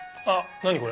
何これ。